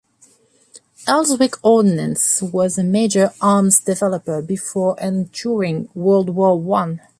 Elswick Ordnance was a major arms developer before and during World War One.